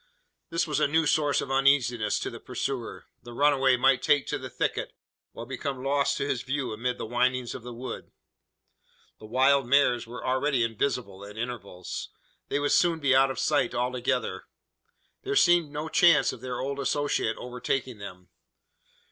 This was a new source of uneasiness to the pursuer. The runaway might take to the thicket, or become lost to his view amid the windings of the wood. The wild mares were already invisible at intervals. They would soon be out of sight altogether. There seemed no chance of their old associate overtaking them.